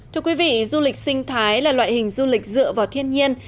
thưa quý vị du lịch sinh thái là loại hình du lịch dựa vào thiên nhiên